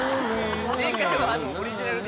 正解はオリジナルで。